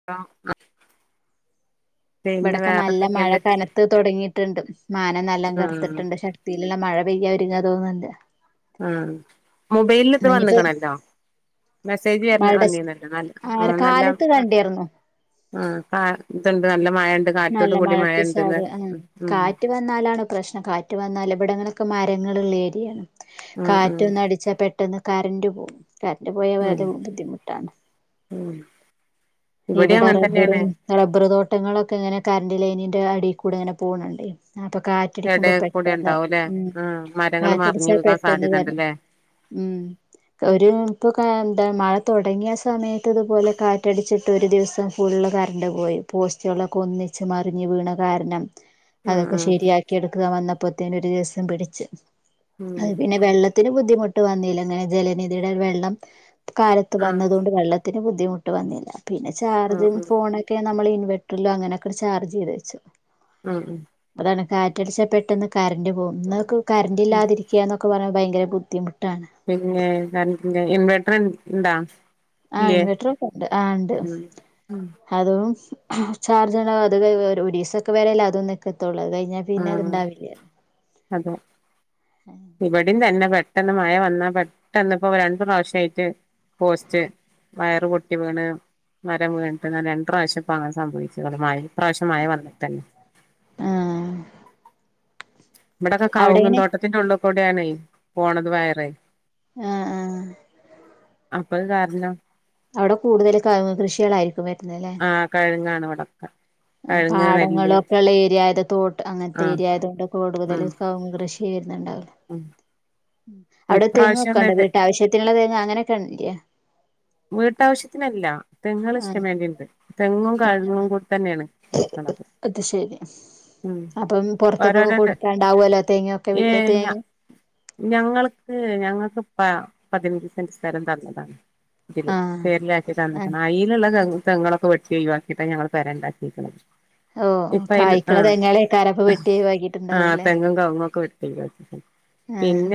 [unintelligible] പിന്നെ ഇവിടെക്കെ നല്ല മഴ വേറെന്തൊക്കെയുണ്ട് കനത്ത് തുടങ്ങിയിട്ടുണ്ട് മാനം നല്ലാം ആഹ് കർത്തിട്ടുണ്ട് [unintelligible] മഴ പെയ്യാ വരിക തോന്നുന്നുണ്ട് ആഹ് മൊബൈലിൽ ഇത് എന്നാ ഇനിയിപ്പോ വന്നകണല്ലോ മെസ്സേജ് വരണ മഴയുടെ വന്നീന്നല്ല നല്ല ആഹ് ഒരു ആ നല്ല കാലത്ത് കാ കണ്ടിരുന്നു ആ കാ ഇത്ണ്ട് നല്ല മഴ ഉണ്ട് കാറ്റോട് നല്ല കൂടി മഴ ഉണ്ട് ന്ന് മ് മ് എന്നലാണ് പ്രശ്നം കാറ്റ് വന്നാൽ ഇവിടങ്ങളൊക്കെ മരങ്ങളുള്ളേരിയാണ് ഉം കാറ്റ് ഉം ഒന്നടിച്ച പെ പെട്ടെന്ന് കരന്റ് പോകും കരണ്ട് പോയാൽ ഉം വലിയ ബുദ്ധിമുട്ടാണ് ഉം ഇവിടെ അങ്ങനെ തന്നെയാണ് റബ്ബറും റബറ് തോട്ടങ്ങളൊക്കെ ഇങ്ങനെ കറണ്ട് ലൈനിന്റെ അടിയിൽ കൂടെ ഇങ്ങന പോണുണ്ട് അപ്പൊ കാ എടെ റ്റടിക്കുമ്പോ കൂടെ പെട്ടെന്ന് ഉണ്ടാവുംല്ലേ ഉം ആഹ് മരങ്ങൾ മറിഞ്ഞു കാറ്റടിച്ചാ വീകാൻ പെട്ടെന്ന് സാധ്യത പറണം ഉണ്ടല്ലേ ഉം ഒരു ഇപ്പൊ ക എന്ത മഴ തുടങ്ങിയ സമയത്ത് ഇതുപോലെ കാറ്റടിച്ചി ട്ട് ഒരു ദിവസം ഫുള്ള് കറണ്ട് പോയി പോസ്റ്റുകളളൊക്കെ ഒന്നിച്ച് മറിഞ്ഞ് വീണ കാരണം ഉം അതൊക്കെ ഉം ശരിയാക്കി എടുത്ത് ക വന്നപ്പോത്തേന ഒരു ദിവസം പിടിച്ച് ഉം അത് പിന്നെ വെള്ള ത്തിന് ബുദ്ധിമുട്ട് വന്നില്ല അങ്ങനെ ജലനിധിയുടെ വെള്ളം കാലത്ത് ആഹ് വന്നതുകൊണ്ട് വെള്ള ത്തിന് ബുദ്ധിമുട്ട് വന്നില്ല പിന്നെ ചാർജും ആഹ് ആഹ് ഫോണൊ ഒക്കെ നമ്മൾ ഇൻവട്ടറില അങ്ങനൊക്കെ ചാർജ് ചെയ്ത് വെച്ച് ഉം ഉം അതാണ് കാറ്റടിച്ചാ പെട്ടെന്ന് കറണ്ട് പോകും ന്നൊക്ക് ഉം കറന്റില്ലാതിരിക്കുയ എന്നൊക്കെ പറഞ്ഞാൽ ഭയങ്കര ബുദ്ധിമുട്ടാണ് പിന്നെ കരണ്ടില്ല ഇൻവേർട്ടർ ഉണ്ടാ ആഹ് ഇൻവെർട്ടർ ഒക്കെ ഉണ്ട് ആഹ് ഉണ്ട് ഉം ഉം അതും ചാർജണ അത് കൈ ഒരീസ ഒക്കെ വരല്ല അതുംനിക്കത്തൊള്ളൂ അത് കയ് ഞാ ആഹ് പിന്നെതുണ്ടാവില്ല്യ അതെ ഇവിടേം തന്നെ പെട്ടെന്ന് മഴ വന്നാ പെട്ടെന്ന് ഇപ്പൊ രണ്ടൂ പ്രാവശ്യമായിട്ട് പോസ്റ്റ് വയറ് പൊട്ടി വീണ് മരം വീൺട്ട് രണ്ട് പ്രാവശ്യം ഇപ്പോ അങ്ങനെ സംഭവിച്ച് മയ് ഇ പ്രാവശ്യ മയ വന്നിട്ടല്ലെ ആഹ് ഇവിടൊക്കെ അവിടെങ്ങനെ കൗങ്ങുംതോട്ടത്തിന്റെ ഉള്ളി കൂടെയാണ് പോണത് വയറെ ആഹ് ആഹ് അപ്പൊ അത് കാരണം അവിടെ കൂടുതല് കൗങ്ങും കൃഷികളായിരിക്കും വരുന്നല്ലേ ആഹ് കഴുങ്ങാണ് ഇവിടെ പാടങ്ങളൊക്കെള്ള ഏരിയ തോട്ട് അങ്ങനത്തെ ആഹ് ഏരിയായത്കൊണ്ട് കൂടുതൽ ഉം കൗങ്ങും കൃഷി ക്കെ വരുന്നുണ്ടാവില്ലെ ഉം അവിടെ തെങ്ങ് ഇപ്രാവശ്യം ഒക്കൊണ്ട നെല്ല് വീട്ടാവശ്യത്തിനുള്ള തേങ്ങ അങ്ങനെക്കെല്ലേ വീട്ടാവശ്യത്തിനല്ല തെങ്ങൾ ആഹ് ഇഷ്ടം വേണ്ടിണ്ട് തെങ്ങും കഴുങ്ങും കൂടി തന്നെയാണ് നോക്കണത് അത് ശരി അപ്പം പുറത്തക്കൊക്കെ ഓരോരോ കൊടുക്കാണ്ടാവല്ലോ തേങ്ങൊക്കെ ഏഹ് ഞാ തേങ്ങ ഞങ്ങൾക്ക് ഞങ്ങൾക്ക് പ പതിനഞ്ച് സെന്റ് സ്ഥലം തന്നതാണ് ഇതില് ആഹ് പേര്ല ആക്കി ആഹ് തന്നക്കണ് ആയ് കൊള്ള തെങ് തെങ്ങളൊക്കെ വെട്ടി ഒഴിവാക്കിയിട്ട് ഞങ്ങള് പേരണ്ടാക്കിക്കണത് ഓ ഓ കായ ക്കണ തെങ്ങാളക്കാരപ്പ വെട്ടി ആഹ് വക്കിട്ടുണ്ടാവല്ലേ തെങ്ങും കവുങ്ങും ആഹ്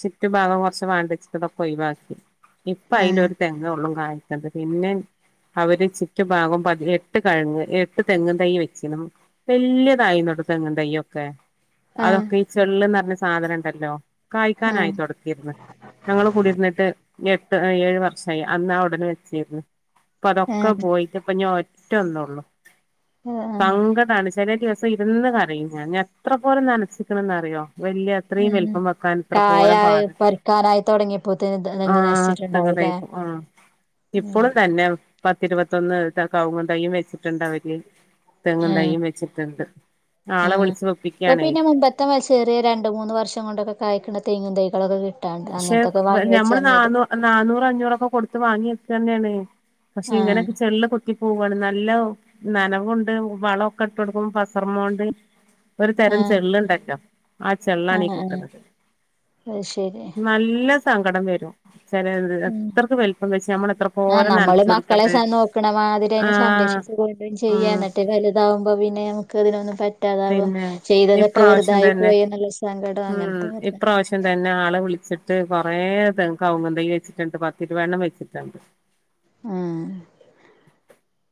ചുറ്റു ഭാഗം കുറച്ച് വാണ്ടിച്ചട്ടതൊക്കെ ഒഴവാക്കി ഇപ്പൊ ആഹ് അതിലൊരു തെങ് ങ്ങ്ഒള്ളും കായിക്കത്ത് പിന്നെ അവര് ചുറ്റു ഭാഗം പ എട്ട് കഴങ്ങ് എട്ട് തെങ്ങും തൈ വെച്ചണം വലിതായിടു തെങ്ങും തൈ ഒക്കെ ആഹ് അതൊക്കെ ഈ ചെള്ന്ന് പറഞ്ഞ സാധനം ഇണ്ടല്ലോ കായ്ക്കാനായി ആഹ് തുടക്കിയിന്ന് ഞങ്ങള്ൾ കൂടിരുന്നിട്ട് എ ഏഴ് വർഷമായി അന്ന് അവിടന വെച്ചിരുന്നു അപ്പ അതൊക്കെ ആഹ് പോയി ഇപ്പ ഇനി ഒറ്റ ഒന്നെഉള്ളു ആഹ് സംഘടന് ഇത്രേം ദിവസം ഇരുന്ന് കരയ്യും ഞാൻ ഞാൻ എത്ര പോലും നനസിക്കണന്ന്റിയോ വല്യ ഇത്രയും ആഹ് വലുപ്പം വെക്കാൻ ഇത്ര കായ പോലെ പാട് പറിക്കാനായി തൊടങ്ങിയപ്പോത്തിന് തെങ്ങ് ആഹ് നശിച്ചിട്ടുണ്ടാവുംല്ലേ തങ്ങതായിപ്പു ആഹ് ഇപ്പോളും തന്നെ പത്തിരുപത്തൊന്ന് ത കവുങ്ങും തൈയും വെച്ചിട്ടുണ്ട് അവരിൽ തെങ്ങും ആഹ് തൈയും വെച്ചി ട്ട്ണ്ട് ആളെ ആഹ് വിളിച്ച് ഇപ്പൊ വെപ്പിക്കയാണേ പിന്നെ മുമ്പത്തെ മരി ചെറിയ രണ്ട് മൂന്ന് വർഷം കൊണ്ടൊക്കെ കായ്ക്കുന്ന തെങ്ങും തൈകളോക്കെ കി പക്ഷെ നമ്മള് നാന്നൂ നാന്നൂറ് അഞ്ഞൂറൊക്കെ കൊടുത്ത് വാങ്ങി വെക്ക്ന്നെണ് പക്ഷെ ആഹ് ഇങ്ങനെക്കെ ചെൾകു ത്തി പോവാണ് നല്ല നനവുണ്ട് വളവൊക്കെ ഇട്ട് കൊടുക്കും പസർമോന്റെ ഒരു തരം ആഹ് ചെള് ഉണ്ടാല്ലോ ആ ചെള്ളാണ് ഈ ആഹ് ആഹ് കുത്തനത് അത് ശരിയ നല്ല സങ്കടം വരും ചെല ത് ഉം അത്രയ്ക്ക് വലുപ്പം വെച്ച് നമ്മൾഎത്ര ആഹ് പോരെ നമ്മള് നനച്ച് മക്കളെ കൊടുക്കണ്ട് സ നോക്കണ മാതിരി അതിനെ ആഹ് സംരക്ഷിച്ചു കൊണ്ടും ഉം ചെയ്യാന്നട്ടെ വലുതാവുമ്പോ പിന്നെ നമുക്ക് അതിനൊന്നും പ പറ്റാതാവും പിന്നെ ചെയ്തതൊക്കെ ഇപ്രാവശ്യം വെറുതായി തന്നെ പോയി നല്ല സങ്കടം അങ്ങനത്തെ വരുന്നെ ആദ്യ തന്നെ ആള് വിളിച്ചിട്ട് കുറെേ തെ കവങ്ങു തൈ വെച്ചിട്ടുണ്ട് പത്തിരുവെണ്ണം വെച്ചിട്ടുണ്ട് ആഹ്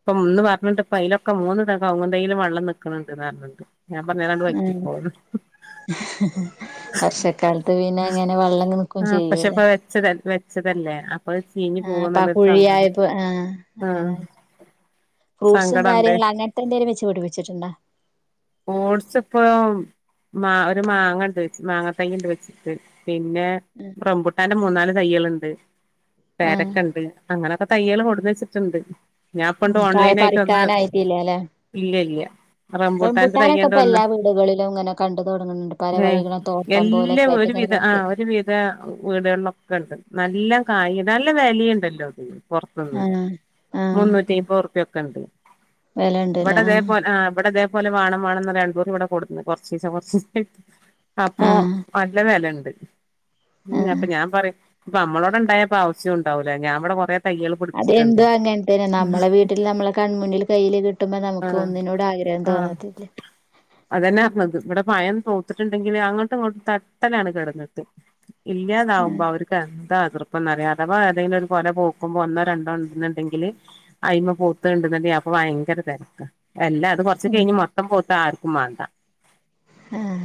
ഇപ്പം ഒന്ന് പറഞ്ഞിണ്ട് ഇപ്പ അയിലൊക്കെ മൂന്ന് തെ കവുങ്ങ് തൈയിലും വെള്ളം നിൽക്കുന്നുണ്ട്ന്ന് പറഞ്ഞട്ടണ്ട് ഞാൻ പറഞ് അതാണ്ട് ആഹ് വറ്റിക്കോള്ന്ന് വർഷക്കാലത്ത് പിന്നെ അങ്ങനെ വെള്ളം നിക്കും ചെയ്യും പക്ഷപ്പ വെച്ചത വെച്ചതല്ലേ അത് ചീഞ്ഞ് ആപ്പ പോവന്നുള്ളൊരു സങ്കടം കുഴിയായപ്പോ ആഹ് ആഹ് അങ്ങനായി ഫ്രൂട്സും സങ്കടണ്ട് കാര്യങ്ങളും അങ്ങനത്തെ എന്തെങ്കിലും വെച്ച് പിടിപ്പിച്ചിട്ടുണ്ടോ ഓട്സ്പ്പം മാ ഒരു മാങ്ങണ്ട് വെച്ച് മാങ്ങ തയി ഉണ്ട് വെച്ചിട്ട് പിന്നെ ഉം റമ്പുട്ടാന്റെ മൂന്നാല് തയ്യ്കളുണ്ട് ആഹ് പേരക്ക്ണ്ട് അങ്ങനെൊക്കെ തയ്യൽ കൊടന്ന് വെച്ചിട്ടുണ്ട് ഞാൻ പണ്ട് കായ ഓൺലൈനായിട്ട് ഒന്ന് പറിക്കാനായിട്ടില്ല അല്ലെ ഇല്ല ഇല്ല റബു ട്ടാനൊക്കെ ഇപ്പൊ എല്ലാ വീടുകളിലും ഇങ്ങനെ കണ്ട് തുടങ്ങുന്നുണ്ട് പല ഏ വഴികള് തോട്ടം പോലെക്കയിട്ട് ഇങ്ങനെ [unintelligible] പെയ്ത വീടുകളിലൊക്കെ ഉണ്ട് നല്ല കായ് നല്ല വലയുണ്ടല്ലോ അത് പുറത്തുന്ന് ആഹ് ആഹ് മുന്നൂറ്റി അയിപ്പർ റുപ്പൊക്കെ ഉണ്ട് ഇവിടെ ഇതേപോലെ ആഹ് ഇവിടെ ഇതേപോലെ വേണം വേണന്ന് രാദൂർ ഇവിടെ കൊടുന്നു കുറച്ചിസം കൊറച്ച് അപ്പൊ ആഹ് നല്ല വിലുണ്ട് ഉം ആഹ് അപ്പൊ ഞാൻ പറയും ഇപ്പ നമ്മളോട് ഉണ്ടായപ്പോ ആവ്സ്യം ഉണ്ടാവൂല്ല ഞാവിടെ കുറെ അതെന്തോ അങ്ങനെ തന്നെ നമ്മളെ വീട്ടിൽ നമ്മളെ കൺ മുന്നിൽ കയ്യിയില് കിട്ടുമ്പോ ആ നമുക്ക് ഒന്നിനോട് ആഗ്രഹം ആ തോന്നത്തില്ല അതന്നെ പറഞ്ഞത് ഇവിടെ പയം തോത്തിട്ടുണ്ടെങ്കില് അങ്ങോട്ടും ഇങ്ങോട്ടും തട്ടലാണ് കിടന്നിട്ട് ആഹ് ഇല്ലാതാവുമ്പോ അവര് ക്ക് എന്താ എതിർപ്പൊംന്നറിയ അഥവാ ഏതെങ്കിലും ഒരു കൊല പോക്കുമ്പോ ഒന്നോ രണ്ടോ ഉണ്ടെന്നുണ്ടെങ്കില് അയിമ പൂത്തണ്ട്ന്ന്ടെ അപ്പൊ ഭയങ്കര തിരക്ക എല്ലാ അത് പൊ ഉം കയ്ഞ് മൊത്തം പൂത്താ ആർക്കും മാണ്ട ആഹ്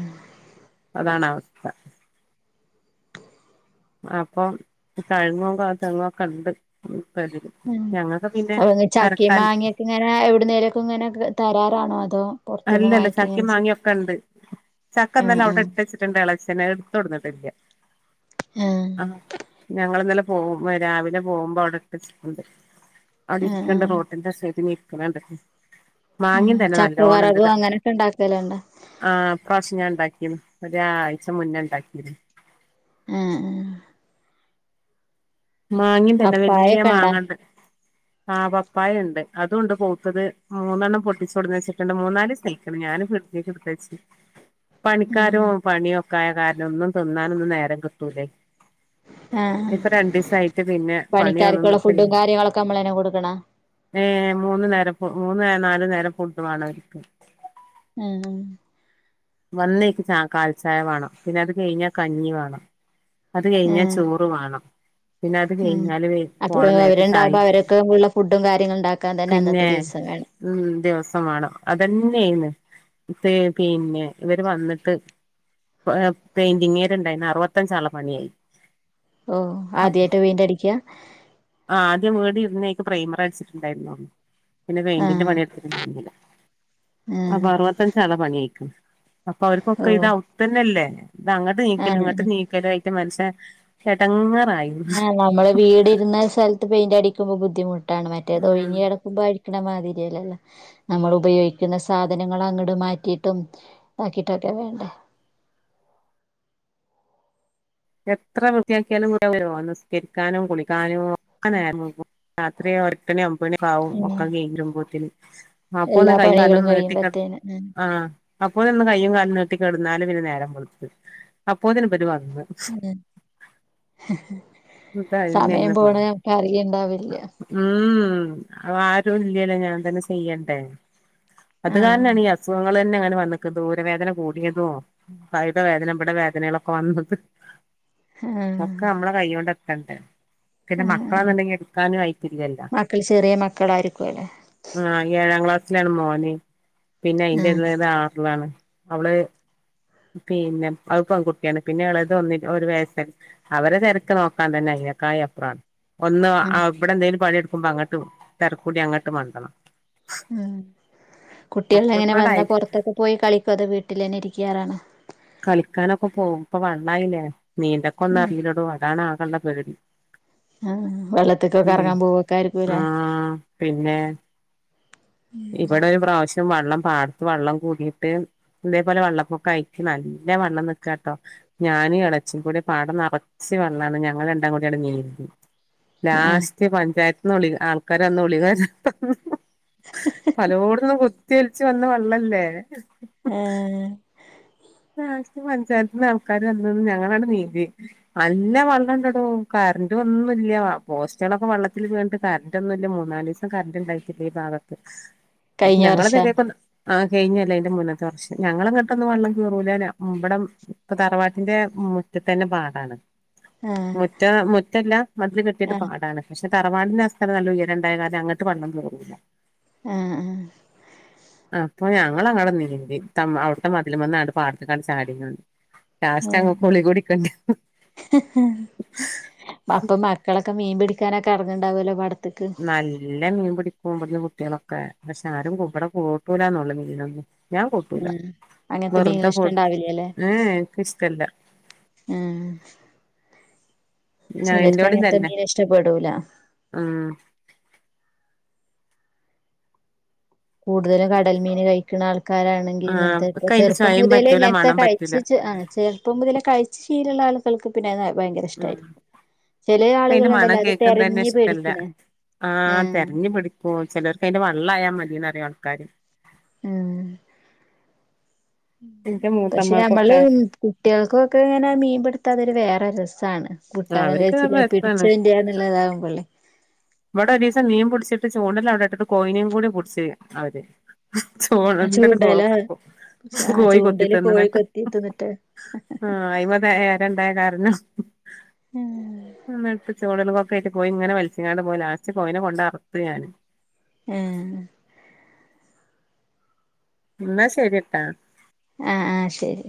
അതാണ് അവസ്ഥ അപ്പൊ തഴങ്ങും കാ തെങ്ങും ഒക്കെ ഉണ്ട് ഇപ്പോ അതില് ആഹ് അവിടുന്ന് ചക്കയും മാങ്ങയൊക്കെ ഇങ്ങനെ എവിടുന്നേലോക്കെ ഇങ്ങനെ തരാറാണോ അതോ പൊറത്ത്ന്ന് അല്ലല്ല വാങ്ങിക്കെ ഇങ്ങനെ ചക്കയും ചെയ്യ മാങ്ങയൊക്കെ ഉണ്ട് ചക്ക ആഹ് ഇന്നലെ അവിടെ ആഹ് ഇട്ട് വെച്ചി ട്ടുണ്ട് ഇളയച്ഛന് അത് എടുത്ത്‌ കൊണ്ടുവന്നിട്ടില്ല ആഹ് ആ ഞങ്ങൾ ഇന്നലെ പോകുമ്പോൾ രാവിലെ പോകുമ്പോ അവിടെ ഇട്ട് വെച്ചിട്ടുണ്ട് അവിടെ ആഹ് ഇരിക്കണ കണ്ട് ആഹ് റോട്ടിന്റെ സൈഡിൽ ഇരിക്കണ കണ്ടക്കണ് മാങ്ങയും തന്നെ നല്ലോണം ഏ അങ്ങനിട്ട് ഇണ്ടാക്കല് തന്നെ ആ ഈ പ്രാവശ്യം ഞാൻ ഇണ്ടാക്കീന് ഒരാഴ്ച മുന്നേ ഇണ്ടാക്കിനു ആഹ് ആഹ് മാങ്ങ ഉണ്ടായിന് വല്യ പപ്പായൊക്കെണ്ടാ മാങ്ങ ഒണ്ട് ആ പപ്പായ ഉണ്ട് അതും ഉണ്ട് മൂത്തത് മൂന്നെണ്ണം പൊട്ടിച്ചു കൊണ്ടൂന്ന് വെച്ചിട്ടുണ്ട് മൂന്നാല് ദിവസം നിൽക്കും ഞാനും [unintelligible] ആഹ് പണിക്കാരും പണിയൊക്കെ ആയ കാരണം ഒന്നും തിന്നാനൊന്നും നേരം കിട്ടൂലേ ആഹ് ഇപ്പൊ രണ്ടീസായിട്ട് പിന്നെ പണിയൊന്നും പണിക്കാർക്കുള്ള ഫുഡും കാര്യങ്ങളൊക്കെ നമ്മള് തന്നെ കൊടുക്കണൊ ഏ മൂന്ന് നേര മൂന്ന് നേ നാലു നേരം ഫുഡ് വേണം അവർക്ക് ആഹ് വന്നേക്ക് ച കാൽച്ചായ വേണം പിന്നെ അത് കഴിഞ്ഞാൽ കഞ്ഞി വേണം അത് കഴിഞ്ഞാ ആഹ് ചോറ് വേണം പിന്നെ അത് ആഹ് കഴിഞ്ഞാല് അപ്പൊ പോണം നേരത്ത്‌ ചായി അവരുണ്ടാവുമ്പോ അവരൊക്കെള്ള ഫുഡും കാര്യങ്ങളും ഉണ്ടാക്കാൻ തന്നെ അന്നത്തെ പിന്നെ ദിവസം വേണം ഉം ദിവസം വേണം അത് തന്നെ ആയിന്ന് പി പിന്നെ ഇവര് വന്നിട്ട് പെയിന്റിങ്ങ്കാര് ഇണ്ടായിരുന്നു അറുപത്തഞ്ച് ആളുടെ പണിയായി ഓ ആദ്യവായിട്ട് പെയിന്റ് അടിക്കുവാ ആഹ് ആദ്യം വീട് ഇരുന്നേക്ക് പ്രൈമർ അടിച്ചിട്ടുണ്ടായിരുന്നുള്ളൂ പിന്നെ പെയിന്റിന്റെ ആഹ് പണി എടുത്തിട്ടുണ്ടായിരുന്നില്ല അപ്പൊ ആഹ് അറുപത്തഞ്ച് ആളുടെ പണി ആയിക്കണ് അപ്പൊ ഓ അവർക്കൊക്കെ ഇത് അകത്ത് തന്നെയല്ലേ ഇത് അങ്ങട്ട് നീക്കലും ഇങ്ങട്ട് ആഹ് നീക്കലായി ട്ട് മനുഷ്യൻ എടങ്ങേറായി ആഹ് നമ്മള് വീട് ഇരുന്ന സലത്ത് പെയിന്റ് അടിക്കുമ്പോ ബുദ്ധിമു ട്ടാണ് മറ്റേത് ഉം ഒഴിഞ്ഞ് കെടക്കുമ്പോ അടിക്കണ മാതിരിയല്ലല്ലോ നമ്മൾ ഉപയോഗിക്കുന്ന സാധനങ്ങള് അങ്ങോട്ട് മാറ്റിയിട്ടും ഇതാക്കിയിട്ടൊക്കെ വേണ്ടേ എത്ര വൃത്തിയാക്കിയാലും [unintelligible] നിസ്കരിക്കാനും കുളിക്കാനും ഒക്കെ നേരം വൈകും രാ ത്രി ഉം [unintelligible] അപ്പൊ ഒന്ന് എല്ലാ കൈയും കാലും പണികളും നീട്ടി കെട കഴിയുമ്പത്തേന് ഉം ആഹ് അപ്പോ ഒന്ന് കൈയ്യും കാലും നീട്ടിക്കടുന്നാലും പിന്നെ നേരം വെളുക്കും അപ്പോത്തേന് ഇവര് വന്നു ഉം സമയം ഇതന്നെയായിന്ന് പോണ പണി ഒക്കെ അറിയണ്ടാവില്ല ഉം അത് ആരും ഇല്ലല്ലോ ഞാൻ തന്നെ ചെയ്യണ്ടേ അത് ആഹ് കാരണാണ് ഈ അ അസുഖങ്ങൾ തന്നെ അങ്ങനെ വന്നിക്ക് ഊരവേദന കൂടിയതും കൈടെ വേദന ഇവിടെ വേദനകളൊക്കെ വന്നത് ആഹ് ഒക്കെ നമ്മളെ കയ്യോണ്ട് എത്തണ്ടേ പിന്നെ ആഹ് ആഹ് മക്കളാന്നുണ്ടെങ്കിൽ എടുക്കാനും ആയിട്ടില്ലല്ലോ മക്കള് ചെറിയ മക്കളായിരിക്കുവല്ലേ ആഹ് ഏഴാം ക്ലാസ്സിലാണ് മോന് പിന്നെ അയിന്റെ ആഹ് എളേത് ആറിലാണ് അവള് പിന്നെ അത് പെൺകുട്ടിയാണ് പിന്നെ എളയത് ഒന്നി ഒരു വയസായി അവരെ തിരക്ക് നോക്കാൻ തന്നെ അതിനേക്കായ അപ്പുറാണ് ഒന്ന് ആണ് ഇവിടെ എന്തെങ്കിലും പണി എടുക്കുമ്പോ അങ്ങട്ടും തിരക്കൂടി അങ്ങട്ട് മണ്ടണം ഉം കുട്ടികൾ ഇങ്ങനെ വന്നാ ഒക്കെപ്പാടായിട്ട് പുറത്തൊക്കെ പോയി കളിക്കുവോ അതെ വീട്ടിൽ തന്നെ ഇരിക്കാറാണ് കളിക്കാനൊക്കെ പോവും ഇപ്പൊ വെള്ളായില്ലേ നീന്തൊക്കെ ഒന്നും ഉം അറിയില്ലടൊ അതാണ് ആകെയുള്ള പേടി ആഹ് വെള്ളത്തിലൊക്കൊക്കെ ഉം ഇറങ്ങാൻ പോവൊക്ക ആരിക്കുല്ലേ ആഹ് പിന്നെ ഇവിടെ ഒരു പ്രാവശ്യം വെള്ളം പാടത്ത് വെള്ളം കൂടിയിട്ട് ഇതേപോലെ വെള്ളപ്പൊക്കെകയിക്ക് നല്ല വെള്ളം നിക്കട്ടോ ഞാനും ഇളച്ചി കൂടെ പാടം നിറച്ച വെള്ളാണ് ഞങ്ങൾ രണ്ടാം കൂടിയാണ് നീ- ആഹ് ലാസ്റ്റ് പഞ്ചായത്തുന്ന്ള ആൾക്കാര അന്ന് ഗുളിക- പലോടുതുനും കുത്തിയലിച്ചു വന്ന വെള്ളല്ലേ ആഹ് ലാസ്റ്റ് പഞ്ചായാത്തിന്ന് ആൾക്കാാര് വന്നന്ന് ഞങ്ങളാണ് നീന്തി നല്ല വെള്ളയിണ്ടഡോ കറണ്ട്റ് ഒന്നുല്ല പോസ്റ്റകുകളൊക്കെ വെള്ളത്തിൽ വീണ്ട- കറണ്ട്റ ഒന്നുംല്ല മൂന്നാല് ദിവസം കറണ്ട്റ് ഉണ്ടായിട്ടില്ലേ ഈ ഭാഗത്ത് കഴിഞ്ഞ ഞങ്ങള് വർഷാ ക്ക ആഹ് കഴിഞ്ഞല്ലേ അന്റെ മുന്നത്തെ കുറച്ച് ഞങ്ങള് എന്നിട്ടൊന്ന് വള്ളം റല ഇമ്മടം ഇപ്പ തറവാട്ടിന്റെ മുറ്റത്ത് തന്നെ പാടാണ് ആഹ് മുറ്റ മുറ്റല്ല മതില് കെട്ടിട്ട് ആഹ് പാടാണ് പക്ഷെ തറവാടിന്റെ അസ്ഥം നല്ല ഉയരണ്ടായ കാല അങ്ങട്ട് പണന്ന് തുറന്നൂല്ല ഏഹ് ഏഹ് അപ്പൊ ഞങ്ങ അങ്ങടെ നീ അവിട്ട മതിൽമ്മാണങ്ങാത് പാടത്തക്കണ ചാടിക്ക്ണ്ട് ലാസ്റ്റ് ഉം അങ്ങ് കുളി കുടിക്കണ്ട് അപ്പം മക്കളൊക്കെ മീൻ പിടിക്കാനൊക്കെ എറങുണ്ടാവുമല്ലോ പടത്തക്ക് നല്ല മീൻ പിടിക്കു കുട്ടികളൊക്കെ പക്ഷെ ആരും കവിടെ കൂട്ടൂലന്നള്ളൂ മീലൊന്നന്ന് ഞാൻ കൂട്ടൂല ഉം അങ്ങനത്തെ വെറുതെ മീനുകള് പോട ഇഷ്ടണ്ടാവില്ലല്ലേ ഏഹ് എനിക്ക് ഇഷ്ടമല്ല ആഹ് ഞാൻ ചിലർക്ക് എന്റോടും അങ്ങത്തെ തന്നെ മീൻ ഇഷ്ടപ്പെടൂല ഉം കൂടുതലും കടൽ മീൻ കഴിക്കണ ആൾക്കാരാണെങ്കിൽ ആ ഇങ്ങനത്തെ ഇക്ക് അയിന്റെ ചെറുപ്പം ചൊയയും മുതല പറ്റൂല ഇങ്ങനത്തെ മണം പറ്റൂല കഴിച്ച- ചെറുപ്പം മുതലേ കഴിച്ചു ശീലമുള്ള ആളുകൾക്ക് പിന്നെത് ഭയങ്കര ഉം ഇഷ്ടമായിരിക്കും ചെല ഇക്ക് അയിന്റെ മണം ആളുകൾുണ്ടല്ലോ അത് കേൾക്കുന്നത് തന്നെ തെരഞ്ഞു ഇഷ്ടല്ല പേടിക്കണ ആഹ് അപ്പ ചിലർക്ക് അതിന്റെ വള്ള ആയാ മതിന്ന്റിയ ആൾക്കാര് ഉം എന്റെ പക്ഷെ നമ്മള് മൂത്തമ്മാക്കൊക്കെ കുട്ടികൾക്കൊക്കെ ഇങ്ങനെ മീൻപിടുത്താതൊരു വേറെ രസമാണ് ആ കട്ടാനും അവർക്ക് നല്ല കഴിച്ചില്ല രസാണ് പിടിച്ചതിന്റെയാന്നല്ല ഇതാകുമ്പൊള്ളേ ഇവിടെ ഒരു ദിവസം നീൻ പിടിച്ചിട്ട് ചൂണ്ടല്ല അടെ ഇട്ടിട്ട് കോയിനും കടി പൊടിച്ച് അവര് ആ ചോണണ്ട ചൂണ്ടലോ കോഴപ്പക്ക ആ കോയി കൊത്തി ചൂണ്ടല് കോഴി തന്നിട്ട് കൊത്തി തിന്നിട്ട് ആ- അയിമതരണ്ടായ കാരഞ്ഞു ആഹ് എടുത്ത് ചോട- ക്ക ആട്ട് പോയി ഇങ്ങനെ മത്സങ്ങാണ്ട് പോയില ആസ്റ്റ് പോയിനെ കൊണ്ട് അറത്ത് ഞാന് ഉം ഇന്നാ ശരിട്ടാ ആഹ് ആഹ് ശരി